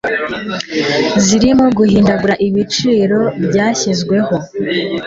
zirimo guhindagura ibiciro byashyizweho